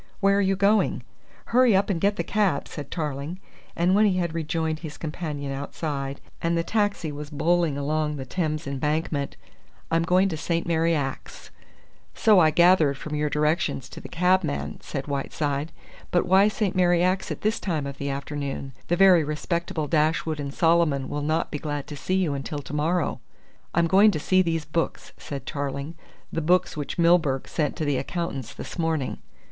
"Where are you going?" "Hurry up and get the cab!" said Tarling, and when he had rejoined his companion outside, and the taxi was bowling along the Thames Embankment: "I'm going to St. Mary Axe." "So I gathered from your directions to the cabman," said Whiteside. "But why St. Mary Axe at this time of the afternoon? The very respectable Dashwood and Solomon will not be glad to see you until to morrow." "I'm going to see these books," said Tarling, "the books which Milburgh sent to the accountants this morning."